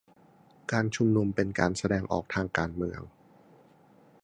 การชุมนุมเป็นการแสดงออกทางการเมือง